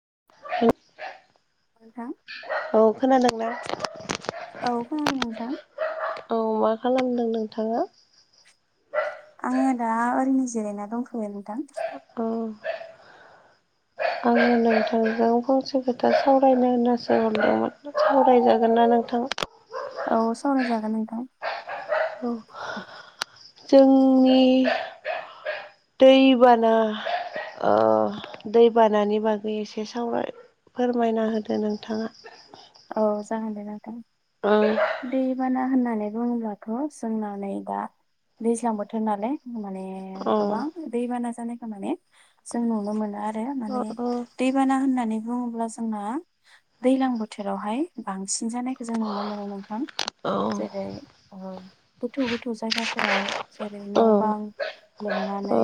[unintelligible] नोथां। औ खोनादोंना? खोनादों नोंथां औ मा खालामदों नोंथांआ? आङो दा ओरैनो जिरायना दंथ'यो नोंथां। औ आङो नोंथांजों फंसे खोथा सावरायनो होननासो हरदोंमोन सावरायजागोन ना नों नोंथां। औ सावनाय जागोन नोंथां। जोंनि दैबाना ओ दै बानानि बागै एसे सावरा फोरमायना होदो नोंथाङा। औ जागोन दे नोंथां ओं दैबाना होननानै बुङोब्लाथ' जोंना नै दा दैज्लां बोथोर नालाय माने अ गोबां दैबाना जानायखौ माने जों नुनो मोनो आर रो अ माने दैबाना होननानै बुङोब्ला जोंना दैलां बो थोरावहाय बांसि सिन जानायखौ जों नुनो मोनो नोंथां अ औ जेरै ओ गोथौ गोथौ जायगा फोराव जेरै न' बां औ लोमनानै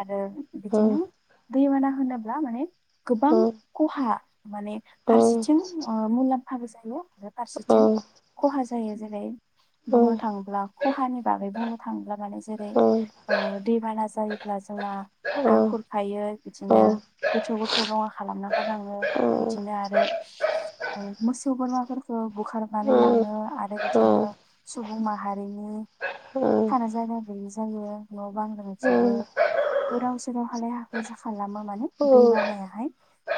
आरो औ बिदिनो दैबाना होनोब्ला माने गोबां खहा माने औ फारसेथिं ओ मुलाम्फा फाबो जायो आरो औ फारसेथिं खहाज जायो जेरै औ बुंनो थाङोब्ला खहानि बागै बुंनो थाङोब्ला माने जेरै दैबाना ओ जायोब्ला जोंना हा खुरखायो बिदिनो गोथौ गोथौ लङा खालामना गारलाङो औ बिदिनो आरो [inaudible] मोसौ बोरमाफोरखौ बुखारनानै औ लाङो आरो औ बिदिनो सुबुं माहारिनि [inaudible] थानो जायगा गैयि जायो न' बां लोमजोबो। गोदाव सोराव हालाय हाखैसा खालामो माने दै बानायाहाय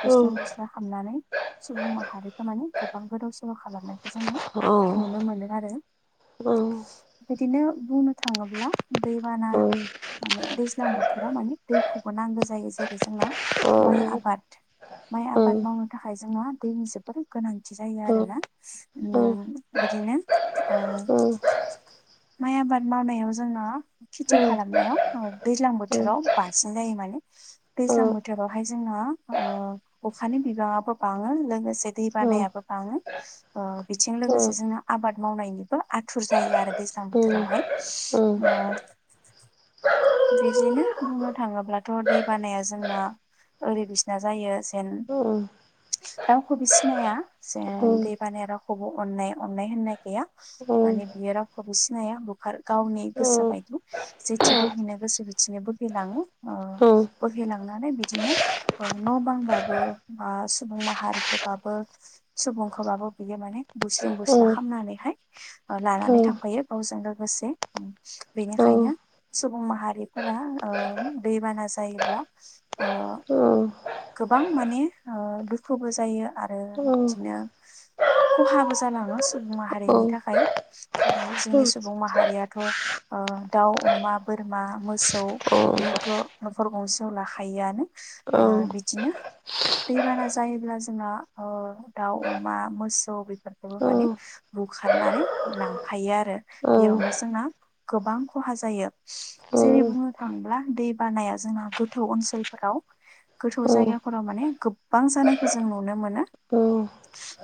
बुस्रम बुस्रा खालामनानै सुबुं माहारिखो माने गोबां गोदाव सोराव खालामनायखौ जोङो नुनो मोनो आरो बिदिनो बुंनो थाङोब्ला दैबाना माने दैज्लां बोथोराव माने दैखौबो नांगो जायो जेरै जोंहा माइ आबाद माइ आबाद मावनो थाखाय जोंहा दैनि जोबोद गोनांथि जायो आरोना उम बिदिनो ओ औ माइ आबाद मावनायाव जोंना खेथि खालामनायाव ओ दैज्लां बोथोराव बांसिन जायो मान ने दैज्लां बोथोरावहाय जोंहा ओ अखानि बिबांआबो बाङो लोगोसे दै बानायाबो बाङो ओ बिथिं लोगोसे जोंहा आबाद मावनायनिबो आथ थुर जायो आरो दैज्लां बोथोरावहाय ओ [inaudible] बिदिनो बुंनो थाङोब्लाथ' दै बानाया जोंना ओरै बिसिना जायो जेन रावखौबो सिनाया जे दै बानाया रावखौबो अननाय अननाय होननाय गैया। माने बियो रावखौबो सिनाया बुखार गावनि गोसो बायदि जेथि बोहैैनो गोसो बिथिंनो बोहैलाङो ओ बोहैलांनानै बिदिनो ओ न' बां बाबो बा सुबुं माहारिखोबाबो सुबुंखोबाबो बियो माने बुस्रिं बुस्ला खालामनानै नै ओ लानानै थांफायो गावजों लोगोसे उम बेनिखायनो सुबुं माहारि फोरा ओ दै बाना जायोब्ला ओ गोबां माने ओ दुखुबो जायो आरो बिदिनो खहाबो जालाङो सुबुं माहारिनि थाखाय आरो जोंनि सुबुं माहारियाथ' ओ दाउ, अमा, बोरमा, मोसौ बेखौथ' न'खर गंसेयाव लाखायोआनो ओ औ बिदिनो दैबाना जायोब्ला जोंहा ओ दाउ, अमा, मोसौ बेफोरखौबो माने बुखारनानै लांफायो आरो बेयावनो जोंना गोबां खहा जायो। जेरै बुंनो थाङोब्ला दै बानाया जोंना गोथौ ओनसोलफोराव गोथौ जायगाफोराव माने गोबां जानायखौ जों नुनो मोनो।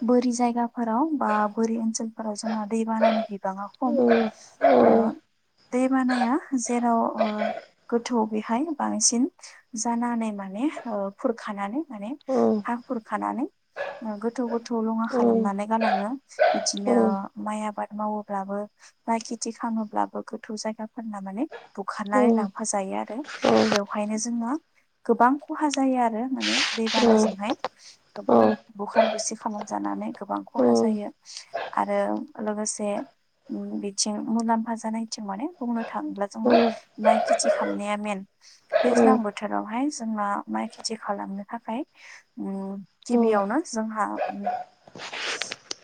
बोरि जायगाफोराव बा बोरि ओनसोलफोराव जोंना दैबानानि बिबाङा खम। ओ दै बानाया जेराव ओ गोथौ बेहाय बांसिन जानानै माने ओ खुरखानानै माने हा खुरखानानै गोथौ गोथौ लङा खालामनानै गा- लाङो। बिदिनो माइ आबाद मावोब्लाबो बा खेथि खालामोब्लाबो गोथौ जायगा- फोरना माने बुखारनानै लांफा जायो आरो, बेवहायनो जोंहा गोबां खहा जायो आरो माने दैबानाजोंहाय गोबां बुखार-बुसि खालामजानानै गोबां खहा जायो। आरो लोगोसे बिथिं मुलाम्फा जानायथिं माने बुंनो थाङोब्ला जोंहा माइ खेथि खालामनाया मेन। दैज्लां बोथोरावहाय जोंना माइ खेथि खालामनो थाखाय उम गिबियावनो जोंहा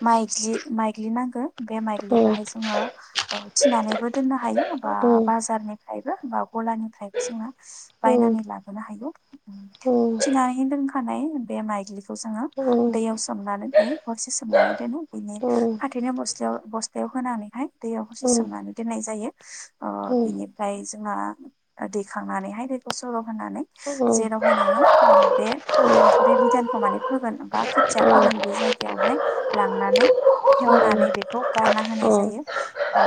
माइज्लि माइग्लि नांगो, बे माइग्लिखौहाय जोङो ओ थिनानैबो दोननो हायो बा बाजारनिफ्रायबो बा गलानिफ्रायबो जोंहा बायनानै लाबोनो हायो। औ थिनानै दोनखानाय बे माइग्लिखौ जोङो दैयाव सोमनानै दोनो हरसे सोमनानै दोनो। बिनि फाथोनि बस्थायाव-बस्थायाव होनानैहाय दैयाव हरसे सोमनानै दोननाय जायो। ओ बिनिफ्राय जोंहा दैखांनानैहाय दैखौ सर' होनानै जेरावहाय नोङो ओ बे बे बिधानखौ माने फोगोन बा खोथिया फोगोन बे जायगायाव- हाय लांनानै हेवनानै बेखौ गारना होनाय जायो। ओ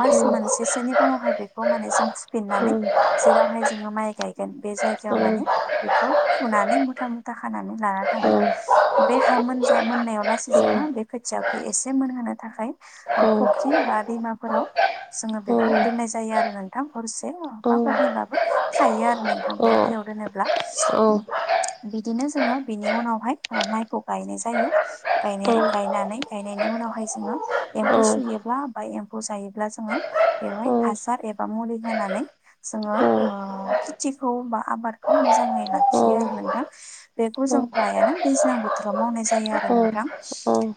मास मोनसेसोनि उनावहाय बेखौ माने जों फुफिनानै जेरावहाय जोङो माइ गायगोन बे जायगायाव माने बेखौ फुनानै मुथा मुथा खानानै लाना थांङो। बे हा मोनजा मोननायाव लासै जोङो बे खोथिखौ एसे मोनहोनो थाखाय ओ फुख्रि बा दैमाफोराव जोङो बेखौ दोननाय जायो आरो नोंथां हरसे बा अबावबा हरनैबाबो थायो आरो नोंथां बे दैयाव दोनो - ब्ला। बिदिनो जोङो बिनि उनावहाय ओ‌ माइखौ गायनाय जायो। गायनाय गायनानै गाय- नायनि उनावहाय जोङो एम्फौ सुयोब्ला बा एम्फौ जायोब्ला जोङो बेवहाय हासार एबा मुलि होनानै जोङो ओ खेथिखौ बा आबाद- खौ मोजाङै लाखियो आरो नोंथां। बेखौ जों फ्रायानो दैज्लां बोथोराव मावनाय जायो आरो नोंथां।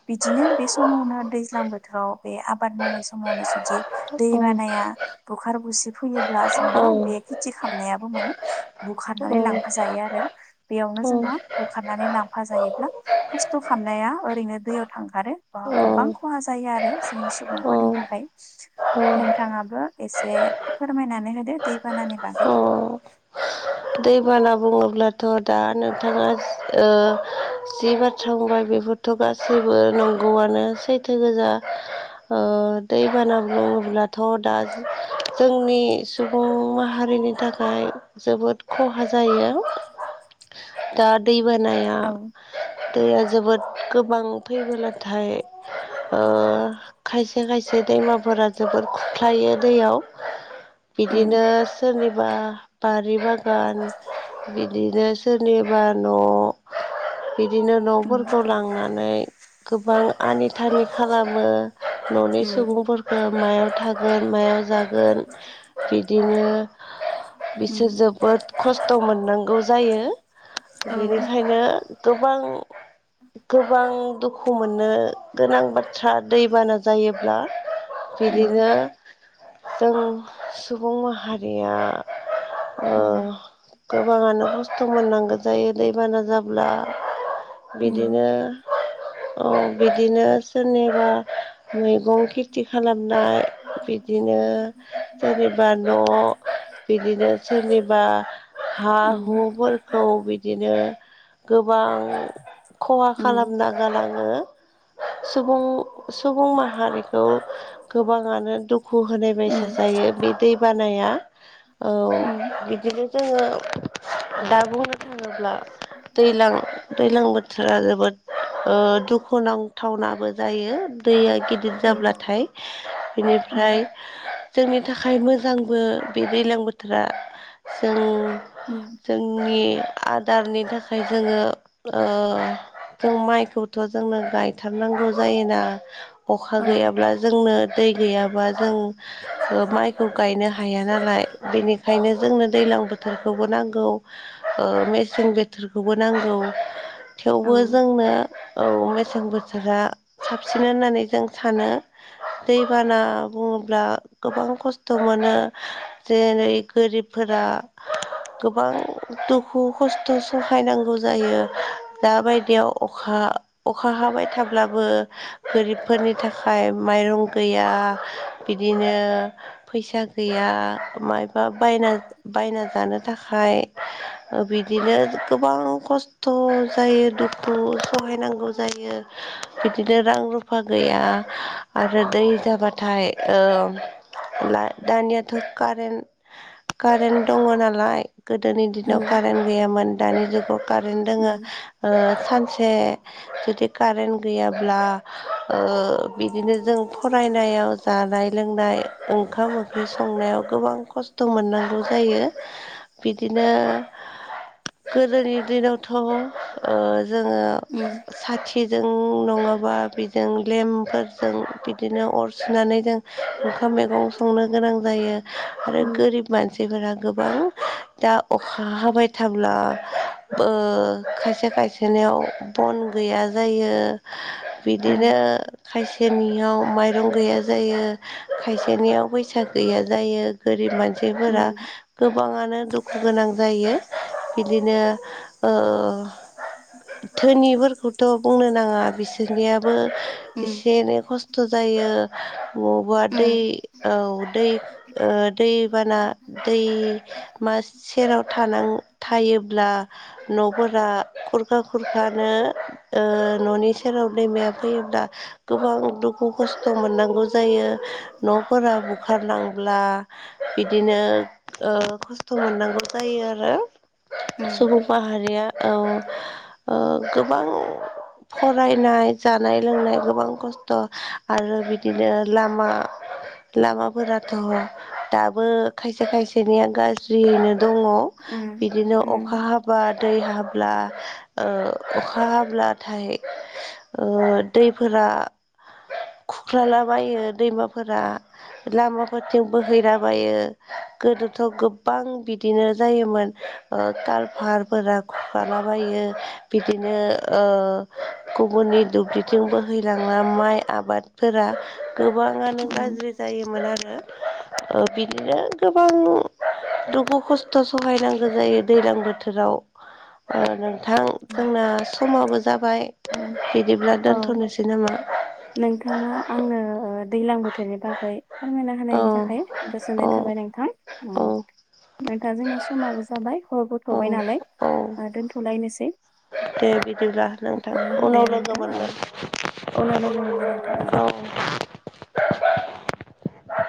बिदिनो बे समावनो दैज्लां बोथोराव बे आबाद मावनाय समावनो जुदि दै बानाया बुखार-बुसि फैयोब्ला जोंना बे खेति खालामनायाबो माने बुखारनानै लांफा जायो आरो बेयावनो जोङो बुखारनानै लांफा जायोब्ला खस्थ' खालाम- नाया ओरैनो दैयाव थांगारो बा गोबां खहा जायो आरो जोंनि सुबुंफोरनि थाखाय। नोंथाङाबो एसे फोरमायनानै होदो दैबानानि बागै। दै बाना बुङोब्लाथ' दा नोंथाङा ओ जि बाथ्रा बुंबाय बे- बोथ' गासैबो नंगौआनो सैथो गोजा। ओ दै बाना बुङोब्लाथ' दा जोंनि सुबुं माहारि बिनि थाखाय जोबोद खहा जायो। दा दैबानाया औ दैया जोबोद गोबां फैबोलाथाय ओ खायसे खायसे दैमाफोरा जोबोर खुरख्लायो दैयाव। उम बिदिनो सोरनिबा बारि बा- गान बिदिनो सोरनिबा न' बिदिनो उम न'फोरखौ लांनानै गोबां आनि थानि खालामो। न'नि उम सुबुंफोरखौ मायाव थागोन मायाव जागोन बिदिनो उम बिसोर जोबोद खस्थ' मोननांगौ जायो। औ बेनिखायनो गोबां गोबां दुखु खु मोननो गोनां बाथ्रा दैबाना जायोब्ला उम बिदिनो जों सुबुं माहारिया उम ओ गोबाङानो खस्थ' मोननांगौ जायो दैबाना जाब्ला उम बिदिनो औ बिदिनो सोरनिबा मैगं खेथि खालामनाय बिदिनो जेनेबा न' बिदिनो सोरनिबा हा उम हुफोरखौ बिदिनो गोबां खहा उम खालामना गालां ङो सुबुं सुबुं माहारिखौ गोबाङानो दुखु खु होनाय बायसा उम जायो बे दै बानाया उम बिदिनो जोङो दा बुंनो थाङोब्ला। दैलां दैज्लां बोथोर थोरा जोबोद ओ दुखुनांथावनाबो जायो दैया गिदिर उम जाब्लाथाय बेनिफ्राय उम जोंनि थाखाय मोजांबो बे दैज्लां बोथोरा जों उम जोंनि आदारनि थाखाय जोङो ओ जों माइखौथ' जोंनो गायथारनांगौ जायोना अखा औ गैयाब्ला जोंनो दै गैयाबा जों माइखौ गायनो हाया नालाय बेनिखायनो जोंनो दैज्लां बोथोरखौबो नांगौ ओ मेसें बोथोरखौबो नांगौ। औ थेवबो जोंनो औ मेसें बोथोरा साबसिन होननानै जों सानो दैबाना बुङोब्ला गोबां खस्थ' मोनो जेरै गोरिबफोरा गोबां दुखु खस्थ' सहायनांगौ जायो दा बायदियाव अखा अखा हाबाय थाब्लाबो गोरिबफोरनि थाखाय माइरं गैया। बिदिनो फैसा गैया मायबा बायना बायना जानो थाखाय ओ बिदिनो गोबां खस्थ' जायो दुखु सु सहायनांगौ जायो बिदिनो रां रुफा गैया आरो दै जाबाथाय ओ ला दानियाथ' कारेन्ट कारेन्ट दङ नालाय गोदोनि दिनाव उम कारेन्ट गैयामोन दानि जुगाव कारेन्ट दोङो उम ओ मोनसे जुदि कारेन्ट गैयाब्ला ओ बिदिनो जों फरायनाय जानाय लोंनाय ओंखाम ओंख्रि संनायाव गोबां खस्थ' मोननांगौ गौ जायो बिदिनो गोदोनि दिनावथ' ओ जोङो उम साथि जों नङाबा बिजों लेम्पफोरजों बिदिनो अर सुनानै जों ओंखाम मैगं संनो गोनां जायो आरो उम गोरिब रां गोबां दा अखा हाबाय थाब्ला ओ खायसे खायसेनियाव बन गैया जायो। बिदिनो उम खायसेनियाव माइरं गैया जायो खायसेनियाव फैसा गैया जायो गोरिब मानसि उम मानसिफोरा गोबाङानो दुखु गोनां जायो। बिदिनो ओ धोनिफोरखौथ' बुंनो नाङा बिसोरनियाबो उम एसे एनै खस्थ' जायो बबावबा दै उम ओ दै ओ दैमा सेराव थ थायोब्ला न'फोरा दा खरखा खरखानो न'नि सेराव दैमाया फैयोब्ला गोबां दुखु खस्थ' मोननांगौ जायो न'फोरा बुखारनांब्ला बिदिनो खस्थ' मोननांगौ जायो आरो सुबुं माहारिया गोबां फरायनाय जानाय लोंनाय गोबां खस्थ' आरो बिदिनो लामा लामाफोराथ' दाबो खायसे खायसेनिया गाज्रियैनो दङ बिदिनो अखा उम हाबा दै हाबा हब्ला ओ अखा हाब्लाथाय दैफोरा खुख्रालाबायो दैमाफोरा लामाफोरथिं बोहैनानै माबायो गोदोथ' गोबां बिदिनो जायोमोन काल फाहारफोर खखालाबायो बिदिनो गुबुननि दुब्लिथिंबो हैलाङो माइ आबादफोरा गोबाङानो उम गाज्रि जायोमोन आरो ओ बिदिनो गोबां दुखु खस्थ' सहायनांगौ जायो दैज्लां बोथोराव उम जोंना समाबो जाबाय बिदिब्ला औ दोनथ'नोसै नामा? नोंथाङा आंनो दैज्लां बोथोरनि बागै फोरमायना औ होनायनि थाखाय औ गोजोननाय थाबाय औ नोंथां दा जोंना समाबो जाबाय हर औ बथबाय नालाय औ दोन्थलायनोसै दे बिदिब्ला नों दे उनाव लोगो नोंथां औ उनाव लोगो मोनगोन नोंथां मोनगोन औ [unintelligible]